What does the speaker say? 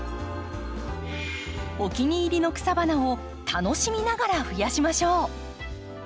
お気に入りの草花を楽しみながら増やしましょう。